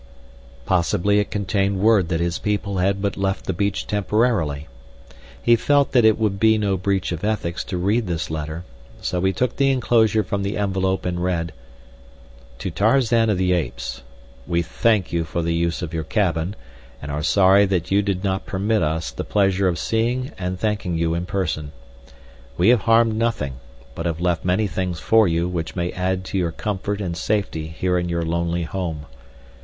Possibly it contained word that his people had but left the beach temporarily. He felt that it would be no breach of ethics to read this letter, so he took the enclosure from the envelope and read: TO TARZAN OF THE APES: We thank you for the use of your cabin, and are sorry that you did not permit us the pleasure of seeing and thanking you in person. We have harmed nothing, but have left many things for you which may add to your comfort and safety here in your lonely home.